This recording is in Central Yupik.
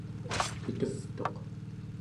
qitevtuq